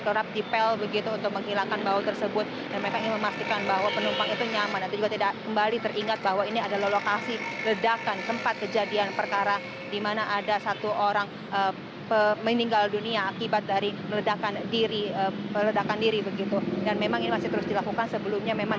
kerap dipel begitu untuk menghilangkan bau tersebut dan mereka ingin memastikan bahwa penumpang itu nyaman